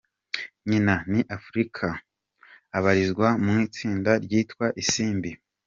Nyina ni Afurika abarizwa mu itsinda ryitwa Isimbi.